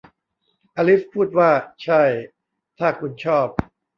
อลิซพูดว่า ใช่ ถ้าคุณชอบ